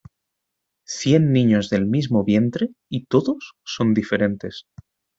Cien niños del mismo vientre y todos son diferentes.